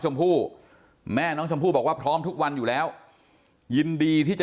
ชมพู่แม่น้องชมพู่บอกว่าพร้อมทุกวันอยู่แล้วยินดีที่จะ